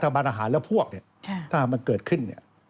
ของรัฐบาลอาหารและพวกถ้ามันเกิดขึ้น